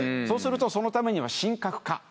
そうするとそのためには神格化。